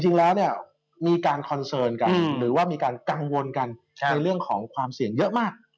จริงแล้วเนี่ยมีการกังวลกันเสื่อเรื่องของความเสี่ยงเยอะมาก